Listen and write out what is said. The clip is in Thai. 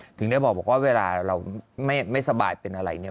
ถึงได้บอกว่าเวลาเราไม่สบายเป็นอะไรเนี่ย